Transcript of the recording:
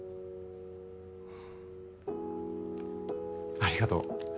ありがとう。